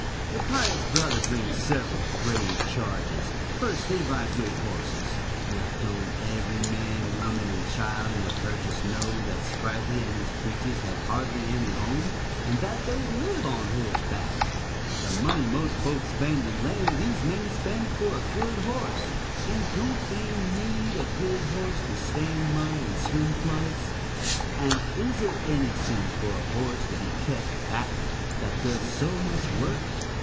"The pious brother brings several grave charges; first, they ride good horses. Now don't every man, woman and child in the Purchase know that Sprightly and his preachers have hardly any home, and that they live on horseback? The money most folks spend in land these men spend for a good horse; and don't they need a good horse to stand mud and swim floods? And is it any sin for a horse to be kept fat that does so much work?